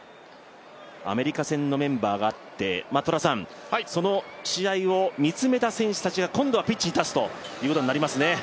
アメリカ戦のメンバーがあってその試合を見つめた選手たちが今度はピッチに立つということになりますね。